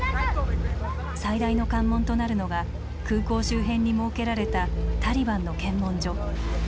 最大の関門となるのが空港周辺に設けられたタリバンの検問所。